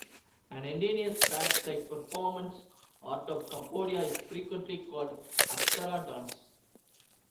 An indigenous ballet-like performance art of Cambodia, is frequently called "Apsara Dance".